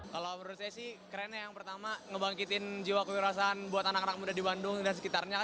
kalau menurut saya sih kerennya yang pertama ngebangkitin jiwa kewirasan buat anak anak muda di bandung dan sekitarnya